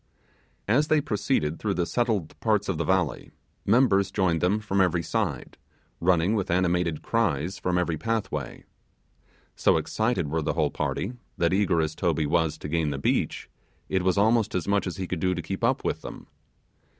As they proceeded through the settled parts of the valley, numbers joined them from every side, running with animated cries from every pathway. So excited were the whole party, that eager as Toby was to gain the beach, it was almost as much as he could do to keep up with them.